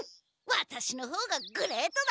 ワタシのほうがグレートだ！